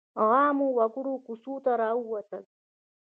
عامو وګړو کوڅو ته راووتل.